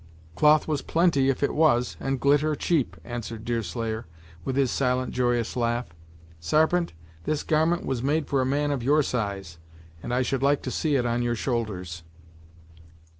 "Cloth was plenty if it was, and glitter cheap," answered Deerslayer, with his silent, joyous laugh. "Sarpent, this garment was made for a man of your size, and I should like to see it on your shoulders."